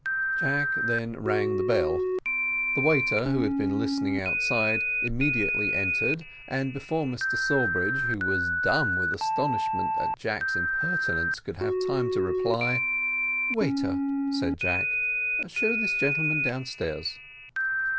Jack then rang the bell; the waiter, who had been listening outside, immediately entered, and before Mr Sawbridge, who was dumb with astonishment at Jack's impertinence, could have time to reply: "Waiter," said Jack, "show this gentleman downstairs."